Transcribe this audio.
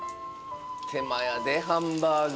手間やでハンバーグ。